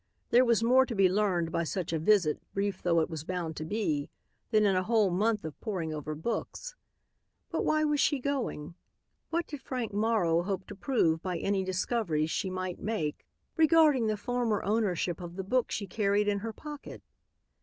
There was more to be learned by such a visit, brief though it was bound to be, than in a whole month of poring over books. But why was she going? What did Frank Morrow hope to prove by any discoveries she might make regarding the former ownership of the book she carried in her pocket?